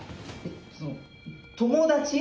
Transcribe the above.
その友達？